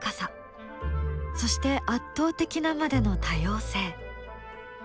そして圧倒的なまでの多様性。